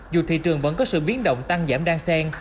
dù thị trường vẫn có sự biến động tăng giảm đan sen